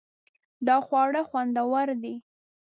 دا خواړه خوندور دي